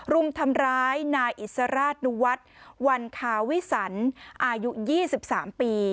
รุมทำร้ายนายอิสราชนุวัฒน์วันคาวิสันอายุ๒๓ปี